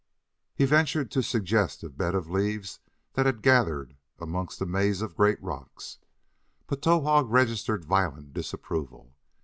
He ventured to suggest a bed of leaves that had gathered amongst a maze of great rocks, but Towahg registered violent disapproval.